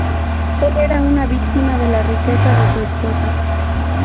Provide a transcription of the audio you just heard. Él era una víctima de la riqueza de su esposa.